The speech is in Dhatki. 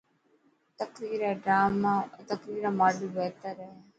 تقرير را ماڊل بهتر هئي.